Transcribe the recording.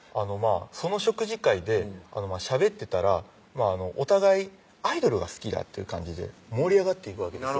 その食事会でしゃべってたらお互いアイドルが好きだっていう感じで盛り上がっていくわけですよ